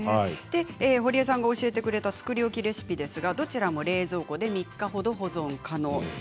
ほりえさんが教えてくれた作り置きですが、どちらも冷蔵庫で３日ほど保存可能です。